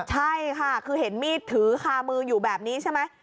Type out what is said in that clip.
ใช่ค่ะคือเห็นมีดถือคามืออยู่แบบนี้ใช่ไหม